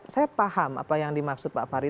saya paham apa yang dimaksud pak fahri